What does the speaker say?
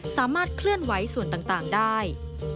สามารถเคลื่อนไหวส่วนต่างได้